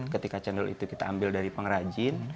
ketika cendol itu kita ambil dari pengrajin